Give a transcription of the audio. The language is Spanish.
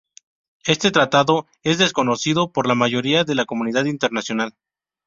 Este tratado es desconocido para la mayoría de la comunidad internacional.